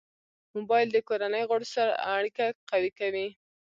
موبایل د کورنۍ غړو سره اړیکه قوي کوي.